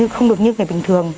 không được như người bình thường